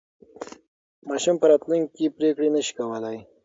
ماشوم په راتلونکي کې پرېکړې نه شي کولای.